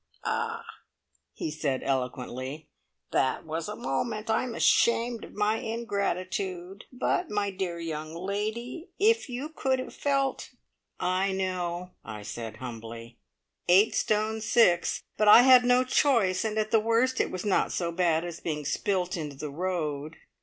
"Ah," he said eloquently, "that was a moment! I am ashamed of my ingratitude; but, my dear young lady, if you could have felt " "I know," I said humbly. "Eight stone six. But I had no choice; and at the worst, it was not so bad as being spilt into the road."